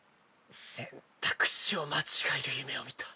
選択肢を間違える夢を見た。